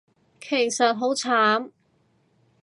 其實好慘